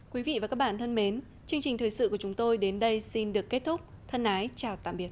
quý vị và các bạn thân mến chương trình thời sự của chúng tôi đến đây xin được kết thúc thân ái chào tạm biệt